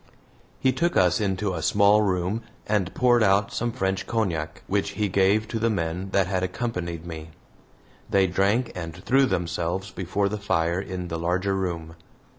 He took us into a small room and poured out some French cognac, which he gave to the men that had accompanied me. They drank and threw themselves before the fire in the larger room.